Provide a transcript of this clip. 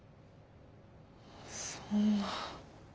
そんな。